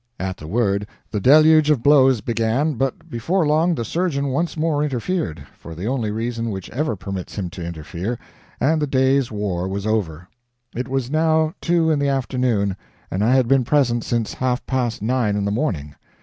At the word, the deluge of blows began, but before long the surgeon once more interfered for the only reason which ever permits him to interfere and the day's war was over. It was now two in the afternoon, and I had been present since half past nine in the morning.